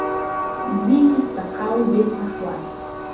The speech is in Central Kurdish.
زین و سهقاو بێته خوار